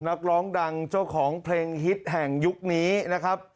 นักร้องดังเจ้าของเพลงฮิตแห่งยุคนี้นะครับ